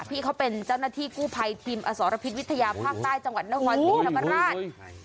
พี่เขาเป็นเจ้านาทีกู้ภัยทีมอสรภิษฐ์วิทยาภาคใต้จังหวัดหน้าหวานภิกถังมาราช